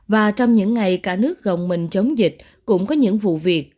và trong những ngày cả nước gồng mình chống dịch cũng có những vụ việc